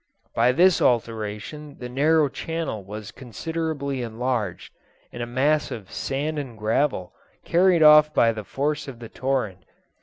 By this alteration the narrow channel was considerably enlarged, and a mass of sand and gravel carried off by the force of the torrent.